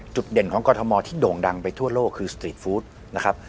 เด่นของกรทมที่โด่งดังไปทั่วโลกคือสตรีทฟู้ดนะครับ